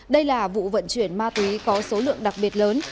đây là vụ vận chuyển ma túy có số lượng đặc biệt lớn